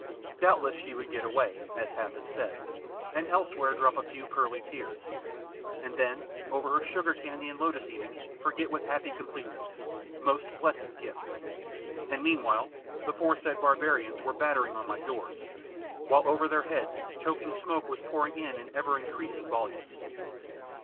Doubtless she would get away, as Hath had said, and elsewhere drop a few pearly tears and then over her sugar candy and lotus eating forget with happy completeness most blessed gift! And meanwhile the foresaid barbarians were battering on my doors, while over their heads choking smoke was pouring in in ever increasing volumes.